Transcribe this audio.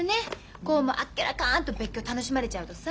こうもあっけらかんと別居楽しまれちゃうとさ。